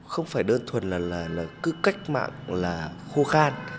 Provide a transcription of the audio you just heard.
không phải đơn thuần là cứ cách mạng là khô khan